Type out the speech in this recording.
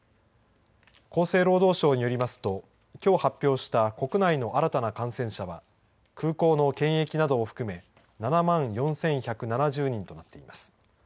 厚生労働省によりますときょう発表した国内の新たな感染者は空港の検疫などを含め７万４１７０人となっています。